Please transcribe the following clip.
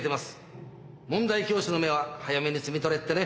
問題教師の芽は早めに摘み取れってね。